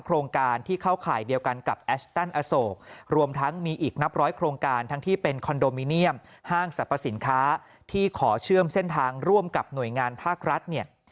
โครงการที่เข้าข่ายเดียวกันกับแอชตันอโศกรวมทั้งมีอีกนับร้อยโครงการทั้งที่เป็นคอนโดมิเนียมห้างสรรพสินค้าที่ขอเชื่อมเส้นทางร่วมกับหน่วยงานภาครัฐเนี่ย